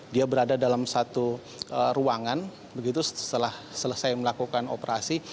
dia berada dalam satu ruangan begitu setelah selesai melakukan operasi